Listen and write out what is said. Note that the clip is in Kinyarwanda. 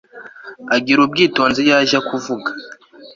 agira ubwitonzi iyo ajya kuvuga